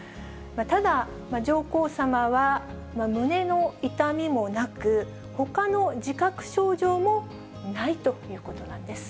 ただ、上皇さまは、胸の痛みもなく、ほかの自覚症状もないということなんです。